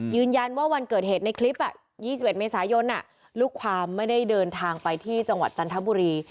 ยืนยันว่าวันเกิดเหตุในคลิป๒๑เมษายนลูกความไม่ได้เดินทางไปที่จังหวัดจันทบุรี